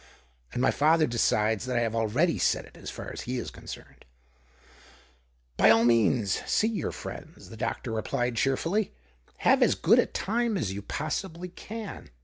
And my father decides that THE OCTAVE OF CLAUDIUS. 117 r have already said it as far as he is con cerned." " By all means see your friends," the doctor replied, cheerfully. " Have as good a time as you possibly can.